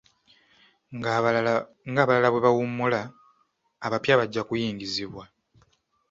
Nga abalala bwe bawummula, abapya bajja kuyingizibwa.